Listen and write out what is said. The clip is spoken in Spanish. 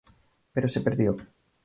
Pero se perdió.